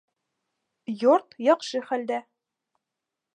Йорт яҡшы хәлдә